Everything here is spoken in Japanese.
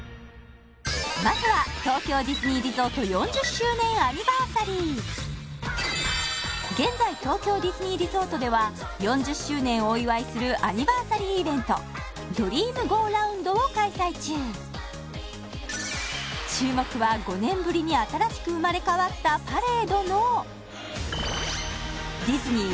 まずは東京ディズニーリゾート４０周年アニバーサリー現在東京ディズニーリゾートでは４０周年をお祝いするアニバーサリーイベントドリームゴーラウンドを開催中注目は５年ぶりに新しく生まれ変わったパレードのさあ